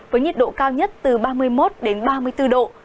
với nhiệt độ cao nhất từ ba mươi một đến ba mươi bốn độ